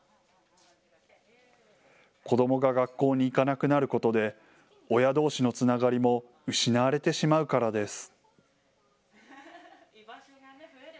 子どもが学校に行かなくなることで親どうしのつながりも失われてしまうからです。